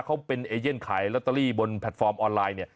เขาเป็นเอเย่นขายลอตเตอรี่บนแพลตฟอร์มออนไลน์เนี่ย